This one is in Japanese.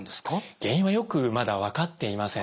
原因はよくまだ分かっていません。